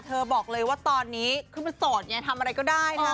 เธอบอกเลยว่าตอนนี้ขึ้นมาโสดเนี่ยทำอะไรก็ได้นะฮะ